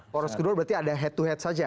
poros kedua berarti ada head to head saja